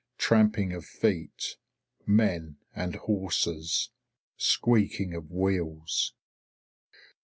Tramping of feet. Men and horses. Squeaking of wheels.